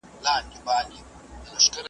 وطن د مور په څېر ګران او محترم وي.